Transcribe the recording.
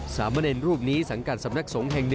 สามเณรรูปนี้สังกัดสำนักสงฆ์แห่ง๑